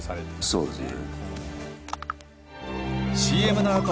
そうですね